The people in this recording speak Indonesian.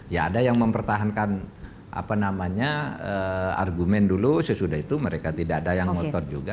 ya ada yang mempertahankan argumen dulu sesudah itu mereka tidak ada yang ngotot juga